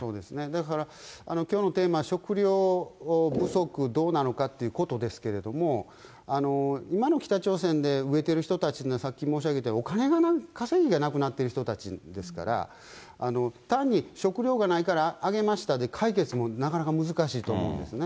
だから、きょうのテーマ、食糧不足どうなのかってことですけれども、今の北朝鮮で飢えてる人たち、さっき申し上げたお金の稼ぎがなくなっている人達ですから、単に食糧がないから、あげましたで、解決もなかなか難しいと思うんですね。